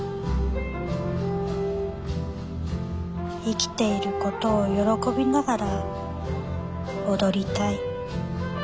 生きていることを喜びながら踊りたい。